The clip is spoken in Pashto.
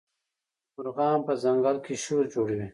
مارغان په ځنګل کي شور جوړوي.